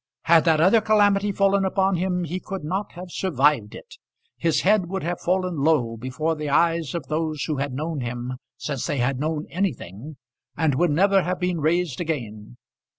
Had that other calamity fallen upon him, he could not have survived it. His head would have fallen low before the eyes of those who had known him since they had known anything, and would never have been raised again.